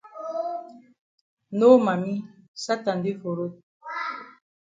No mami Satan dey for road.